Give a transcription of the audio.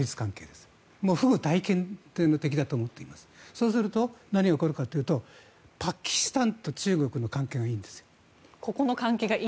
そうすると何が起こるかというとパキスタンと中国の関係がいいんです。